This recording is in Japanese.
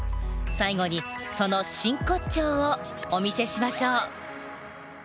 最後にその真骨頂をお見せしましょう。